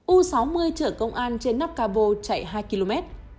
u sáu mươi chở công an trên nắp cabo chạy hai km